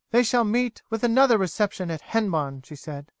"They shall meet with another reception at Hennebon," she said.